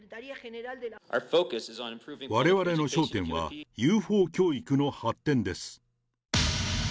われわれの焦点は、ＵＦＯ教育の発展です。